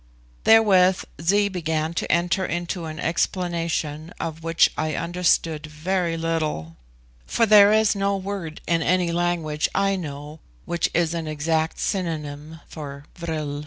Therewith Zee began to enter into an explanation of which I understood very little, for there is no word in any language I know which is an exact synonym for vril.